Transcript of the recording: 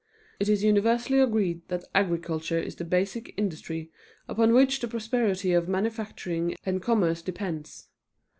It is universally agreed that agriculture is the basic industry upon which the prosperity of manufacturing and commerce depends.